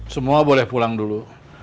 semua boleh pulang dulu